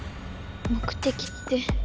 目的って。